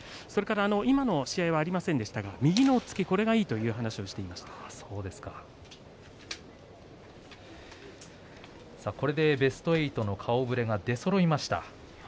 今の押し合いがありませんでしたが右の突きがいいという話をこれでベスト８の顔ぶれが出そろいました。